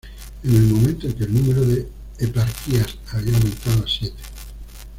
En el momento en que el número de eparquías había aumentado a siete.